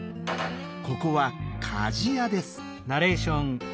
ここは鍛冶屋です。